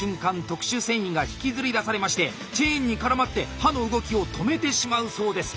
特殊繊維が引きずり出されましてチェーンに絡まって刃の動きを止めてしまうそうです。